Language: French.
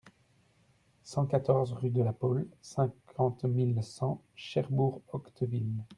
cent quatorze rue de la Polle, cinquante mille cent Cherbourg-Octeville